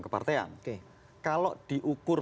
kepartean kalau diukur